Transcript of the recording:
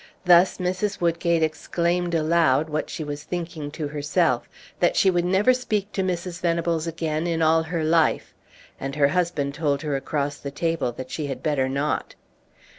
Thus Mrs. Woodgate exclaimed aloud, what she was thinking to herself, that she would never speak to Mrs. Venables again in all her life, and her husband told her across the table that she had better not.